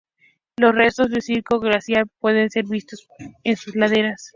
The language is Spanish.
Los restos de un circo glaciar pueden ser vistos en sus laderas.